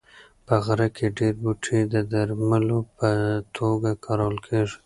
په غره کې ډېر بوټي د درملو په توګه کارول کېږي.